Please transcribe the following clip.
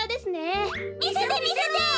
みせてみせて。